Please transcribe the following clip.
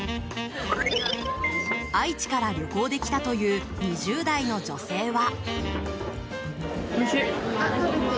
愛知から旅行で来たという２０代の女性は。